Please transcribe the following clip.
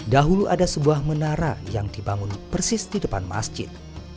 dahulu ada sebuah menara yang dibangun persis di depan masjid